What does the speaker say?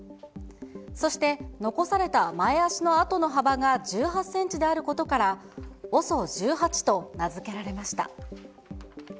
そして残された前足の跡の幅が１８センチであることから、ＯＳＯ１８と名付けられました。